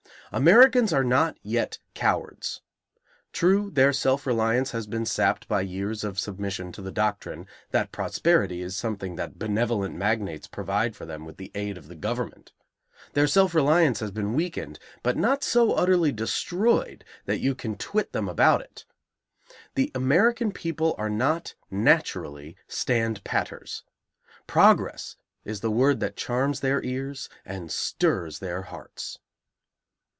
Americans are not yet cowards. True, their self reliance has been sapped by years of submission to the doctrine that prosperity is something that benevolent magnates provide for them with the aid of the government; their self reliance has been weakened, but not so utterly destroyed that you can twit them about it. The American people are not naturally stand patters. Progress is the word that charms their ears and stirs their hearts.